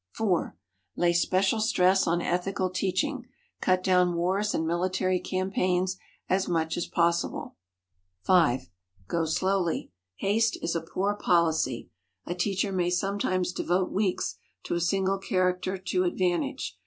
Lay special stress on ethical teaching; cut down wars and military campaigns as much as possible. 5. Go slowly. Haste is a poor policy. A teacher may sometimes devote weeks to a single character to advantage.